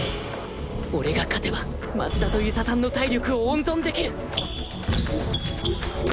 俺が勝てば松田と遊佐さんの体力を温存できる